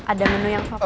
ada menu yang